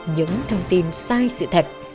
những thông tin sai sự thật